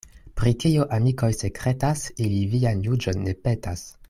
Pri kio amikoj sekretas, ili vian juĝon ne petas.